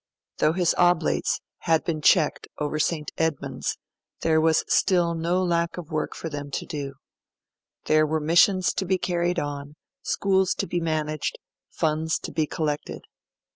Though his Oblates had been checked over St. Edmund's, there was still no lack of work for them to do. There were missions to be carried on, schools to be managed, funds to be collected.